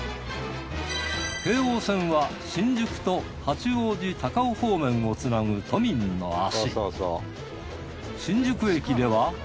京王線は新宿と八王子・高尾方面をつなぐ都民の足。